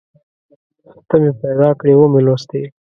ته مې پیدا کړې ومې لوستې